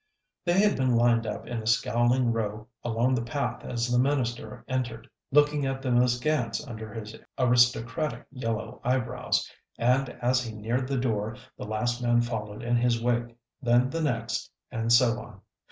They had been lined up in a scowling row along the path as the minister entered, looking at them askance under his aristocratic yellow eyebrows, and as he neared the door the last man followed in his wake, then the next, and so on.